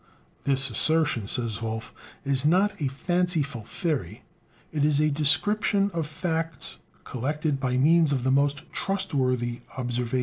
"This assertion," says Wolff "is not a fanciful theory; it is a description of facts collected by means of the most trustworthy observations."